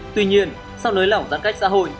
tuy nhiên sau nới lỏng giãn cách xã hội